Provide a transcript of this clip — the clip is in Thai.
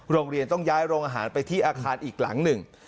โรงเรียนต้องย้ายโรงอาหารไปที่อาคารอีกหลังหนึ่ง